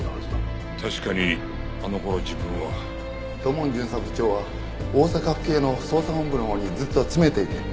確かにあの頃自分は。土門巡査部長は大阪府警の捜査本部のほうにずっと詰めていて。